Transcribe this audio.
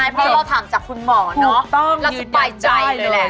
เพราะเราถามจากคุณหมอเนอะแล้วสบายใจเลยแหละคุณหมอคุณต้องยืนอย่างใจเลย